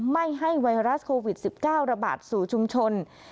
ไม่ให้ไวรัสโควิด๑๙ระบาดสู่ชุมชน